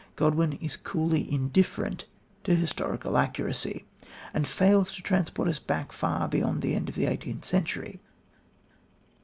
Godwin is coolly indifferent to historical accuracy, and fails to transport us back far beyond the end of the eighteenth century.